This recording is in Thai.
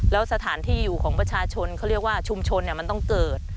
แล้วสถานที่อยู่ของประชาชนเขาเรียกว่าชุมชนมันต้องเกิด